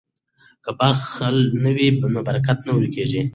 که بخل نه وي نو برکت نه ورکیږي.